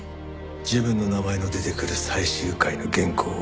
自分の名前の出てくる最終回の原稿を奪った。